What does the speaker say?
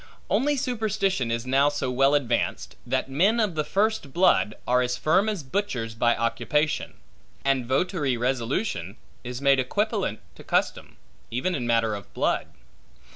Only superstition is now so well advanced, that men of the first blood, are as firm as butchers by occupation; and votary resolution, is made equipollent to custom, even in matter of blood.